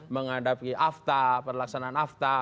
menghadapi afta perlaksanaan afta